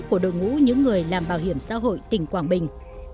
của đội ngũ những người làm bảo hiểm xã hội tỉnh quảng bình